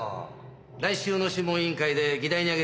来週の諮問委員会で議題に挙げてます。